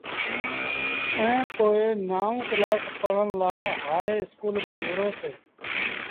ائيٚݩ پو نآئوٚݩ ڪلآس پڙهڻ لآ هآئي اسڪول ميݩ وُهڙوس۔